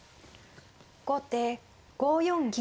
後手５四銀。